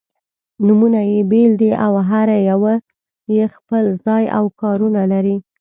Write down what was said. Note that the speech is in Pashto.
نومونه يې بېل دي او هره یوه یې خپل ځای او کار-ونه لري.